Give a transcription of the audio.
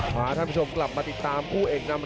พาท่านผู้ชมกลับมาติดตามคู่เอกนำ